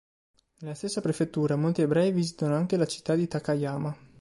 Nella stessa prefettura, molti ebrei visitano anche la città di Takayama.